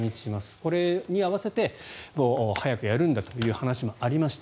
これに合わせて早くやるんだという話もありました。